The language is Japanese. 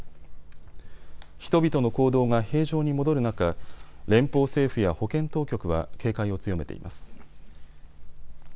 人々の行動が平常に戻る中、連邦政府や保健当局は警戒を強めています。